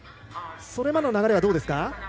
それまでの流れはどうですか？